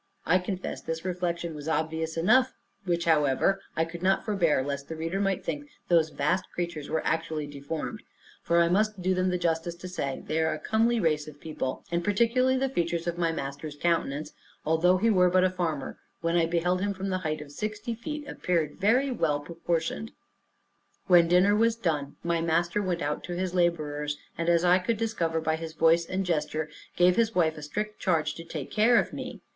I confess this reflection was obvious enough; which, however, I could not forbear, lest the reader might think those vast creatures were actually deformed: for I must do them the justice to say, they are a comely race of people; and particularly the features of my master's countenance, although he were but a farmer, when I beheld him from the height of sixty feet, appeared very well proportioned. When dinner was done, my master went out to his laborers, and as I could discover by his voice and gesture gave his wife a strict charge to take care of me.